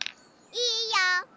いいよ。